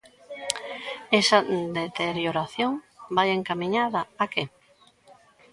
Esa deterioración, ¿vai encamiñada a que?